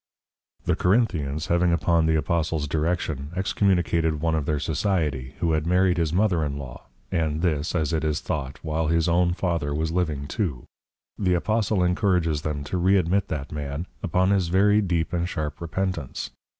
_ The Corinthians, having upon the Apostles Direction, Excommunicated one of their Society, who had married his Mother in law, & this, as it is thought, while his own Father was Living too; the Apostle encourages them to Re admit that man, upon his very deep and sharp Repentance.